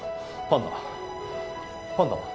パンダは？